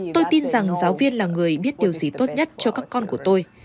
tôi tin rằng giáo viên là người biết điều gì tốt nhất cho các con của tôi